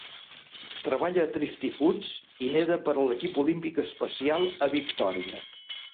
Treballa a Thrifty Foods i neda per a l'equip olímpic especial a Victoria.